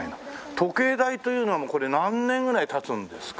時計台というのはもうこれ何年ぐらい経つんですか？